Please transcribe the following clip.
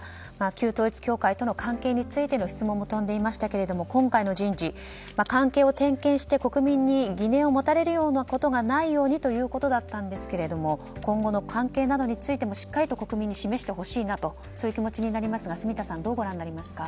旧統一教会との関係についての質問も飛んでいましたけれども今回の人事関係を点検して、国民に疑念を持たれるようなことがないようにということだったんですけども今後の関係などについてもしっかり国民に示してほしいなという気持ちになりますが住田さん、どうご覧になりますか？